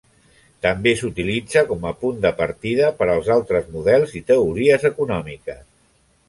També s'utilitza com a punt de partida per als altres models i teories econòmiques.